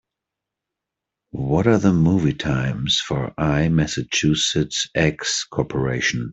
what are the movie times for IMassachusettsX Corporation